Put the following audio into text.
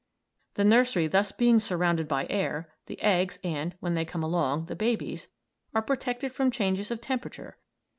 The nursery thus being surrounded by air, the eggs and, when they come along, the babies are protected from changes of temperature.